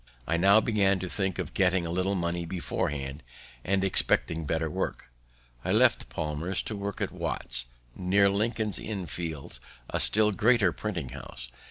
I now began to think of getting a little money beforehand, and, expecting better work, I left Palmer's to work at Watts's, near Lincoln's Inn Fields, a still greater printing house.